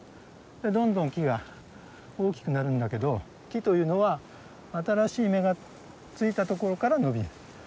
どんどん木が大きくなるんだけど木というのは新しい芽がついたところから伸びる。